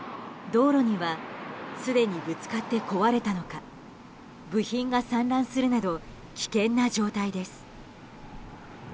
道路にはすでにぶつかって壊れたのか部品が散乱するなど危険な状態です。